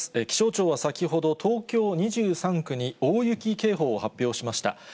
気象庁は先ほど、東京２３区に、大雪警報を発表しました。